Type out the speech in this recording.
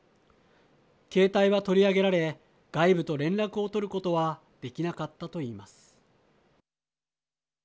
携帯は取り上げられ外部と連絡を取ることはできなかったといいます。